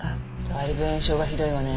だいぶ炎症がひどいわね。